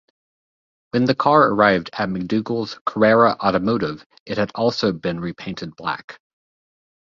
When the car arrived at McDougall's Carrera Automotive it had also been repainted black.